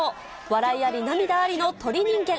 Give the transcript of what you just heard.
笑いあり涙ありの鳥人間。